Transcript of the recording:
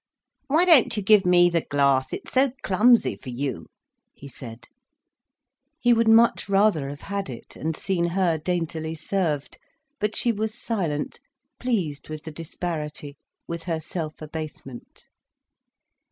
"Why don't you give me the glass—it is so clumsy for you," he said. He would much rather have had it, and seen her daintily served. But she was silent, pleased with the disparity, with her self abasement.